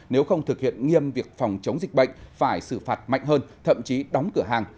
nếu không thực hiện nghiêm việc phòng chống dịch bệnh phải xử phạt mạnh hơn thậm chí đóng cửa hàng